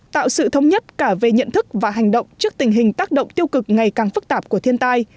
tạo sự thống nhất cả về nhận thức và hành động trước tình hình tác động tiêu cực ngày càng phức tạp của thiên tai